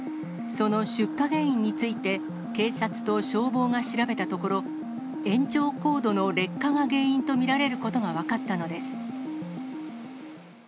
その出火原因について、警察と消防が調べたところ、延長コードの劣化が原因と見られることが分かったのです。